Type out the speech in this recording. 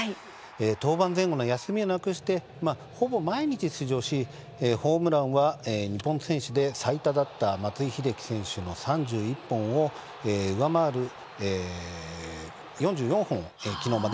登板前後の休みをなくしてほぼ毎日出場しホームランは日本選手で最多だった松井秀喜選手の３１本を上回る４４本。